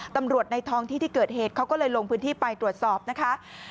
ในท้องที่ที่เกิดเหตุเขาก็เลยลงพื้นที่ไปตรวจสอบนะคะ